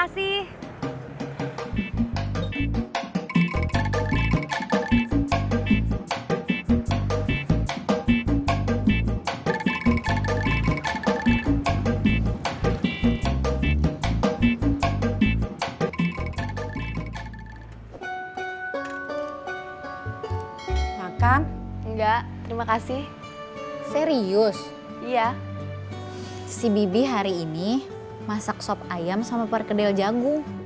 si bibi hari ini masak sop ayam sama perkedel jagung